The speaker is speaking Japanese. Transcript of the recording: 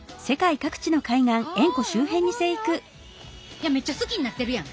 いやめっちゃ好きになってるやん。